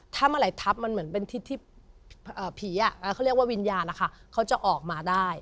ถ้าเมื่อไหร่ทับมันเหมือนเป็นทิศที่ผีเขาเรียกว่าวิญญาณนะคะเขาจะออกมาได้